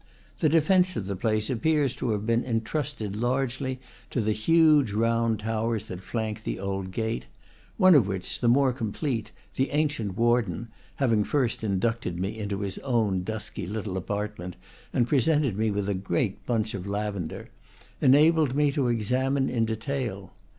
The defence of the place appears to have been intrusted largely to the huge round towers that flank the old gate; one of which, the more complete, the ancient warden (having first inducted me into his own dusky little apartment, and presented me with a great bunch of lavender) enabled me to examine in detail.